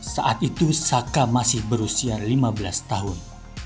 saat itu saka masih berusia lima belas tahun